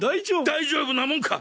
大丈夫なもんか！